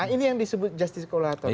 ini yang disebut justice collator